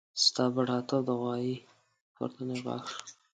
ستا بډاتوب د غوايي پورتنی غاښ شو.